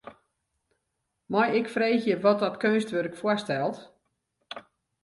Mei ik freegje wat dat keunstwurk foarstelt?